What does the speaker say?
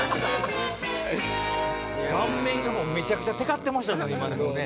顔面がめちゃくちゃテカってました今。